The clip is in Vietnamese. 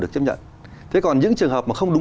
được chấp nhận thế còn những trường hợp mà không đúng